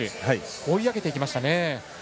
追い上げていきましたね。